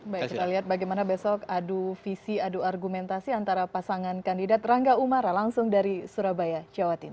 baik kita lihat bagaimana besok adu visi adu argumentasi antara pasangan kandidat rangga umara langsung dari surabaya jawa timur